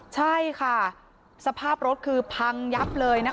ใช่ค่ะสภาพรถคือพังยับเลยนะคะ